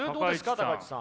高市さん。